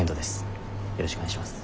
よろしくお願いします。